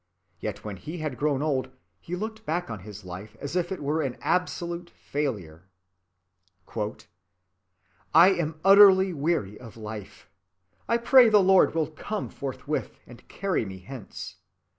yet when he had grown old, he looked back on his life as if it were an absolute failure. "I am utterly weary of life. I pray the Lord will come forthwith and carry me hence.